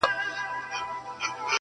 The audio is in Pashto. ټول مي په یوه یوه هینده پر سر را واړول,